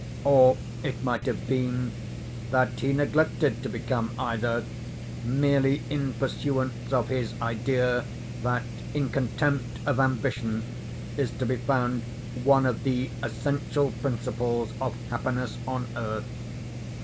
Or it might have been that he neglected to become either, merely in pursuance of his idea that in contempt of ambition is to be found one of the essential principles of happiness on earth.